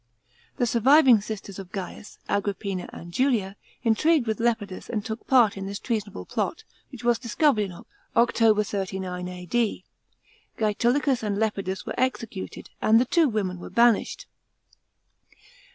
The surviving sisters of Gaius, Agrippina and Julia, intrigued with Lepidus, and took part in this treasonable plot, which was discovered in October, 39 A.D. Gsetulicus and Lepidus were executed, and the two women were banished.